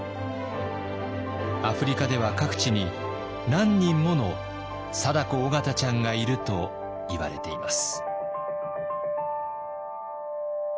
アフリカでは各地に何人ものサダコ・オガタちゃんがいるといわれています。